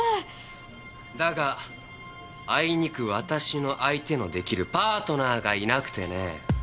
だがあいにく私の相手のできるパートナーがいなくてね。